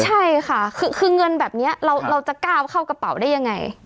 ใช่ค่ะคือเงินแบบนี้เราจะก้าวเข้ากระเป๋าได้ยังไง